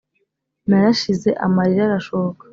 Narashize amarira arashoka